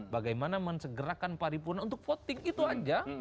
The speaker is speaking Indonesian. bagaimana mensegerakan paripun untuk voting itu saja